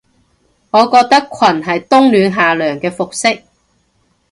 我覺得裙係冬暖夏涼嘅服飾